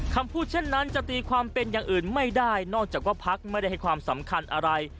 คำพูดเช่นนั้นจะตีความเป็นอย่างอื่นไม่ได้นอกจากว่าพักไม่ได้ให้ความสำคัญอะไร